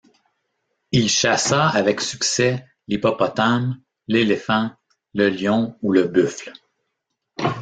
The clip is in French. Il chassa avec succès l'hippopotame, l'éléphant, le lion ou le buffle.